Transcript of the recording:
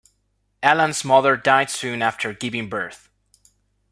Allan's mother died soon after giving birth.